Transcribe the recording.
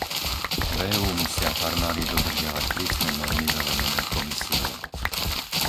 V EÚ musia farmári dodržiavať prísne normy zavedené Komisiou.